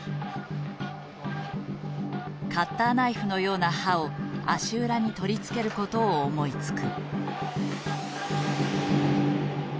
カッターナイフのような刃を足裏に取り付けることを思いつく。